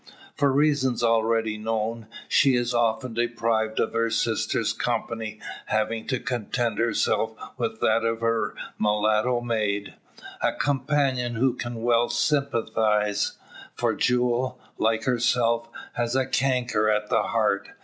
For reasons already known, she is often deprived of her sister's company; having to content herself with that of her mulatto maid. A companion who can well sympathise; for Jule, like herself, has a canker at the heart.